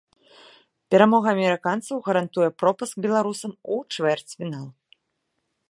Перамога амерыканцаў гарантуе пропуск беларусам у чвэрцьфінал.